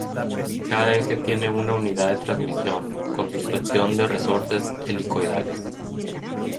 Cada eje tiene una unidad de transmisión, con suspensión de resortes helicoidales.